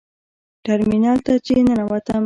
ټرمینل ته چې ننوتم.